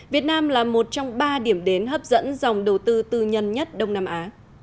việt nam là một trong ba điểm đến hấp dẫn dòng đầu tư tư nhân nhất đông nam á